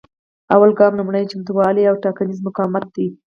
لومړی ګام لومړني چمتووالي او ټاکنیز مقاومت دی.